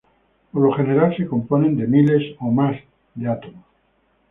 Por lo general, se componen de miles, o más, de átomos.